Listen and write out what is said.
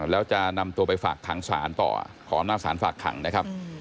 แล้วจะนำตัวไปฝากขังศาลต่อขออำนาจสารฝากขังนะครับ